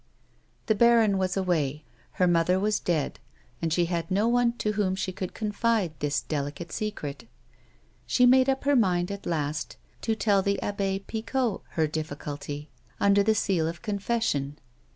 The baron was away, her mother was dead, and she had no one to whom she could confide this delicate secret. She made up lier mind, at last, to tell the Abbe Picot her difiiculty, under the seal of confession.